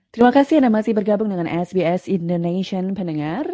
terima kasih anda masih bergabung dengan sbs indonesian pendengar